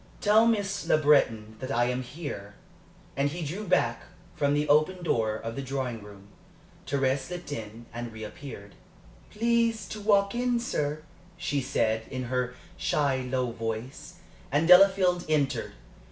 "Tell Miss Le Breton that I am here." And he drew back from the open door of the drawing room. Thérèse slipped in, and reappeared. "Please to walk in, sir," she said, in her shy, low voice, and Delafield entered.